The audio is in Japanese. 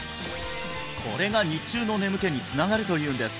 これが日中の眠気につながるというんです